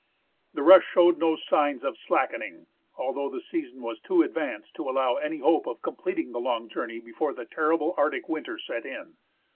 The rush showed no sign of slackening, although the season was too advanced to allow any hope of completing the long journey before the terrible Arctic winter set in.